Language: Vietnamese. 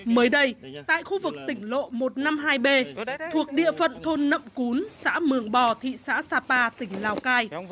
mới đây tại khu vực tỉnh lộ một trăm năm mươi hai b thuộc địa phận thôn nậm cún xã mường bò thị xã sapa tỉnh lào cai